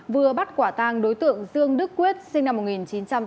vừa bắt quả tàng đối tượng dương đức quyết sinh năm một nghìn chín trăm tám mươi năm